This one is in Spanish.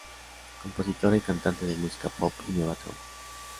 Compositora y cantante de música pop y Nueva Trova.